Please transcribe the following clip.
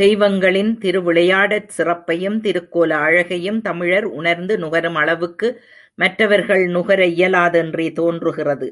தெய்வங்களின் திருவிளையாடற் சிறப்பையும் திருக்கோல அழகையும் தமிழர் உணர்ந்து நுகரும் அளவுக்கு மற்றவர்கள் நுகர இயலாதென்றே தோன்றுகிறது.